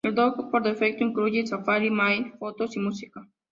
El dock por defecto incluye Safari, Mail, Fotos y Música.